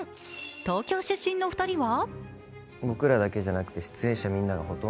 東京出身の２人は？